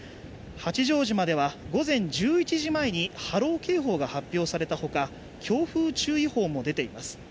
八丈島では午前１１時前に波浪警報が発表されたほか強風注意報も出ています。